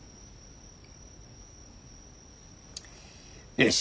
よし。